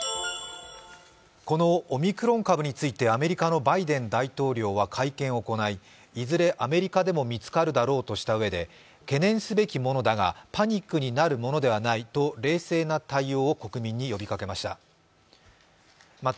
このオミクロン株についてアメリカのバイデン大統領は会見を行い、いずれアメリカでも見つかるだろうとしたうえで懸念すべきものだがパニックになるものではないと、冷静な対応を国民に呼びかけました。